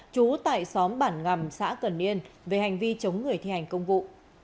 trú tại xóm bản ngầm xã cần yên về hành vi chống người thi hành công vụ